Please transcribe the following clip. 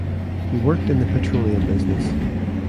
He worked in the petroleum business.